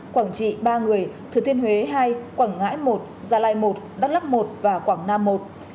quảng trị ba người thừa thiên huế hai quảng ngãi một gia lai một đắk lắc một và quảng nam một